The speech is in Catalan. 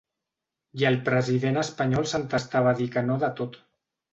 I el president espanyol s’entestava a dir que no de tot.